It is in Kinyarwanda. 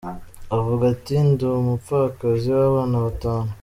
Avuga ati, "Ndi umupfakazi w'abana batanu.